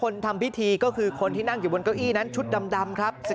นี่ฮะที่นั่งอยู่บนเก้าอี้นั่นแหละครับ